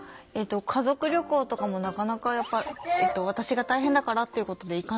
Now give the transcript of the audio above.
家族旅行とかもなかなかやっぱ私が大変だからっていうことでそう